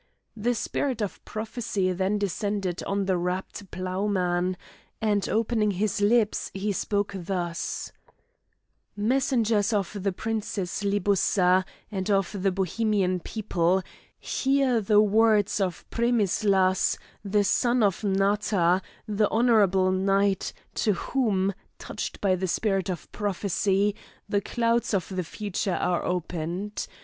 The spirit of prophecy then descended on the rapt ploughman, and, opening his lips, he spoke thus: "Messengers of the Princess Libussa and of the Bohemian people, hear the words of Premislas, the son of Mnatha, the honourable knight, to whom, touched by the spirit of prophecy, the clouds of the future are opened.